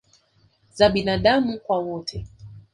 za binaadamu kwa wote